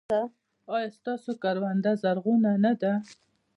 ایا ستاسو کرونده زرغونه نه ده؟